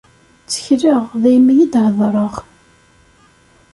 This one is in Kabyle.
Ttekleɣ, daymi i d-hedreɣ.